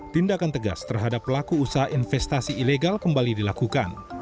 tindakan tegas terhadap pelaku usaha investasi ilegal kembali dilakukan